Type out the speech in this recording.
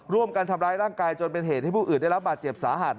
ร่วมกันทำร้ายร่างกายจนเป็นเหตุให้ผู้อื่นได้รับบาดเจ็บสาหัส